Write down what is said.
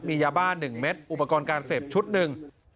มียาบ้า๑เม็ดอุปกรณ์การเสพชุดหนึ่ง